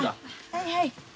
はいはい。